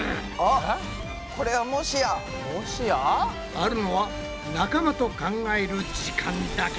あるのは仲間と考える時間だけ！